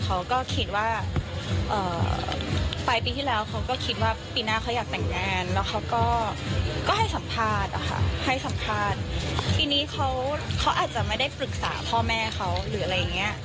เขาก็คิดว่าไปปีที่แล้วเขาก็คิดว่าปีหน้าเขาอยากต่างงาน